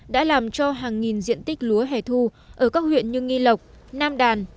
đã làm cho hàng nghìn diện tích lúa hẻ thu ở các huyện như nghi lộc nam đàn